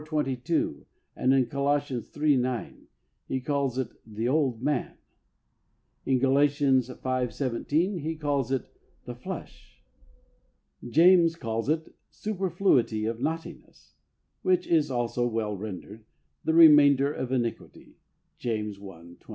22, and in Colossians iii. 9, he calls it "the old man." In Galatians v. 17, he calls it "the flesh." James calls it "superfluity of naughtiness," which is also well rendered, " tlie remainder of iniquity " {James i. 21).